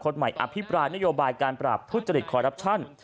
ใหม่อภิปรายนโยบายการปราบทุจริตคอรัปชั่น